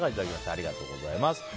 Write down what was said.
ありがとうございます。